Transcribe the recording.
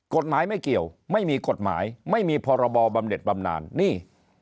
กฎหมายไม่เกี่ยวไม่มีกฎหมายไม่มีพรบบำเด็ดบำนานนี่